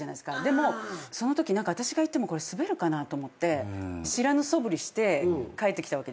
でもそのとき何か私が言ってもスベるかなと思って知らぬそぶりして帰ってきたわけですよ。